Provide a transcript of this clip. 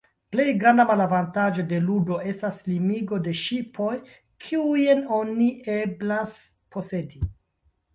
Plej granda malavantaĝo de ludo estas limigo de ŝipoj, kiujn oni eblas posedi.